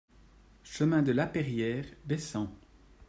Chemin de Lapeyriere, Bessens